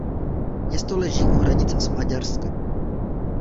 Město leží u hranic s Maďarskem.